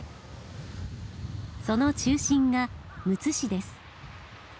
その中心がむつ市です。